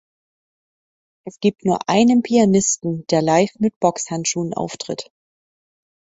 Es gibt nur einen Pianisten, der live mit Boxhandschuhen auftritt.